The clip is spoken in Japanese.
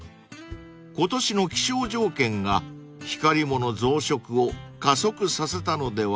［今年の気象条件がヒカリモの増殖を加速させたのではとのこと］